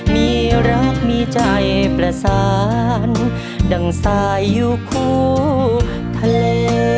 มีรักมีใจประสานดั่งสายอยู่คู่ทะเล